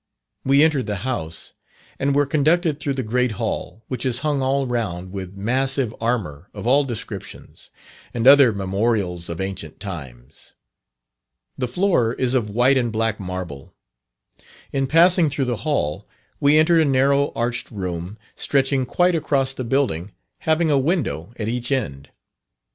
We entered the house, and were conducted through the great Hall, which is hung all round with massive armour of all descriptions, and other memorials of ancient times. The floor is of white and black marble. In passing through the hall, we entered a narrow arched room, stretching quite across the building, having a window at each end.